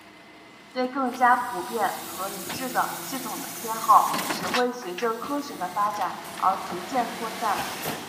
对更加普遍和一致的系统的偏好只会随着科学的发展而逐渐扩散。